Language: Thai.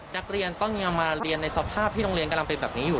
นักเรียนต้องยังมาเรียนในสภาพที่โรงเรียนกำลังเป็นแบบนี้อยู่